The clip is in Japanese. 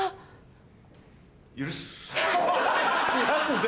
何で？